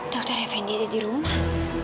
dokter fnd di rumah